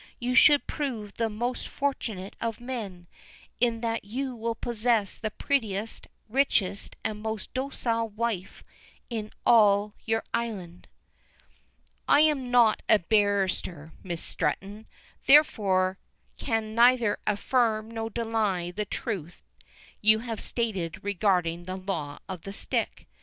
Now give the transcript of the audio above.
You should prove the most fortunate of men, in that you will possess the prettiest, richest, and most docile wife in all your island." "I am not a barrister, Miss Stretton, therefore can neither affirm nor deny the truth you have stated regarding the law of the stick.